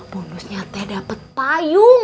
bonusnya teh dapet payung